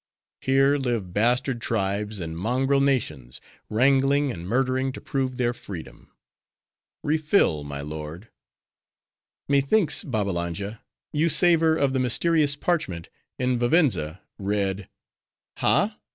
"Here live bastard tribes and mongrel nations; wrangling and murdering to prove their freedom.—Refill, my lord." "Methinks, Babbalanja, you savor of the mysterious parchment, in Vivenza read:—Ha?